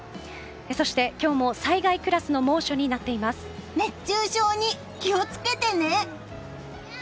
そして今日も災害クラスの猛暑に熱中症に気を付けてね！